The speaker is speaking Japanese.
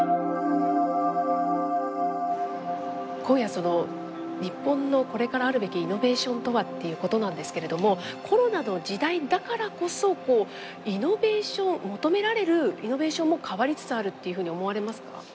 今夜その日本のこれからあるべきイノベーションとはっていうことなんですけれどもコロナの時代だからこそ求められるイノベーションも変わりつつあるっていうふうに思われますか？